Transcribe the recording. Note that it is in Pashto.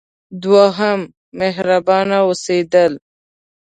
دوهم: مهربانه اوسیدل.